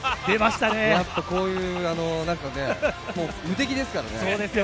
やっぱり、こういう無敵ですからね。